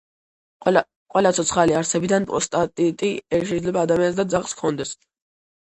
ყველა ცოცხალი არსებიდან პროსტატიტი შეიძლება ადამიანს და ძაღლს ჰქონდეს